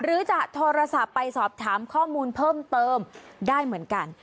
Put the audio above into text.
หรือจะโทรศัพท์ไปสอบถามข้อมูลเพิ่มเติมได้เหมือนกัน